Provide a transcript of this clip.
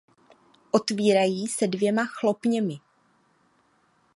Otvírají se dvěma chlopněmi.